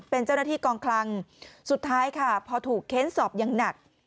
เป็นเจ้าหน้าที่กองคลังสุดท้ายค่ะพอถูกเค้นสอบอย่างหนัก